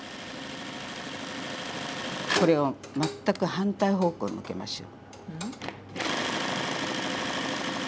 これを全く反対方向に向けましょう。